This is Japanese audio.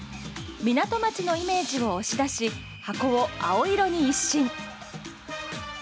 港町のイメージを押し出し箱を青色に一新！